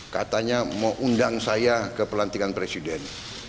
katanya mau undang saya ke pelantikan presiden